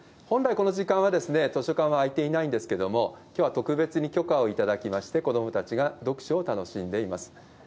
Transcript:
本来、この時間は図書館は開いていないんですけれども、きょうは特別に許可をいただきまして、子どもたちが読書を楽しんでいます。